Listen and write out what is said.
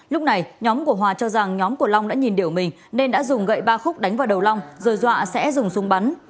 lúc này nhóm của hòa cho rằng nhóm của long đã nhìn điểu mình nên đã dùng gậy ba khúc đánh vào đầu long rồi dọa sẽ dùng súng bắn